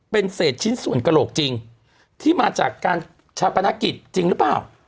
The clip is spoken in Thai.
เป็นเศษชิ้นส่วนกระโหลกจริงที่มาจากการชาปนกิจจริงหรือเปล่า